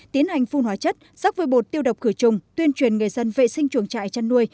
tiến hành phun hóa chất rắc vơi bột tiêu độc cửa chung tuyên truyền người dân vệ sinh chuồng trại chăn nuôi